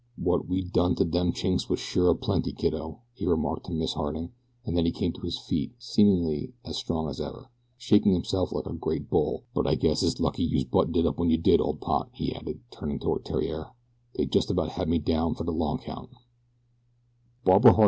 "Wot we done to dem Chinks was sure a plenty, kiddo," he remarked to Miss Harding, and then he came to his feet, seemingly as strong as ever, shaking himself like a great bull. "But I guess it's lucky youse butted in when you did, old pot," he added, turning toward Theriere; "dey jest about had me down fer de long count."